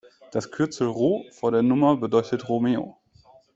Das Kürzel Ro vor der Nummer bedeutet Romeo.